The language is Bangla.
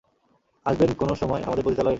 আসবেন কোনো সময় আমাদের পতিতালয়ে।